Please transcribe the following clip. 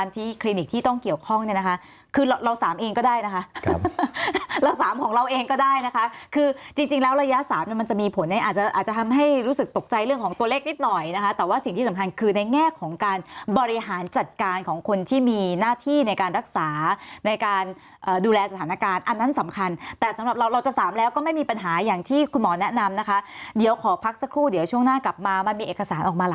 ที่ต้องเกี่ยวข้องเนี้ยนะคะคือเราสามเองก็ได้นะคะเราสามของเราเองก็ได้นะคะคือจริงจริงแล้วระยะสามมันจะมีผลเนี้ยอาจจะอาจจะทำให้รู้สึกตกใจเรื่องของตัวเล็กนิดหน่อยนะคะแต่ว่าสิ่งที่สำคัญคือในแง่ของการบริหารจัดการของคนที่มีหน้าที่ในการรักษาในการอ่าดูแลสถานการณ์อันนั้นสำคัญแต่สำหรับเราเราจะส